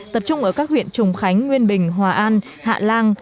tập trung ở các huyện trùng khánh nguyên bình hòa an hạ lan